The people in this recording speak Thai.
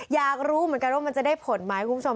อยากรู้เหมือนกันว่ามันจะได้ผลไหมคุณผู้ชม